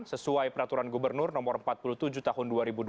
sesuai peraturan gubernur no empat puluh tujuh tahun dua ribu dua puluh